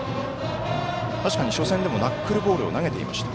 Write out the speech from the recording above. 確かに初戦でもナックルボールを投げていました。